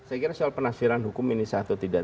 saya kira soal penafsiran hukum ini satu tidak